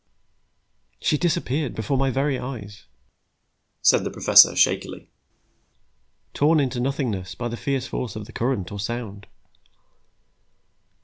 "She disappeared, before my very eyes," said the professor shakily. "Torn into nothingness by the fierce force of the current or sound.